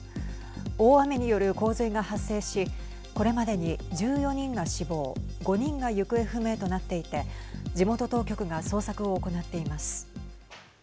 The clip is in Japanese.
大雨による洪水が発生しこれまでに１４人が死亡５人が行方不明となっていて地元当局が捜索を行っています。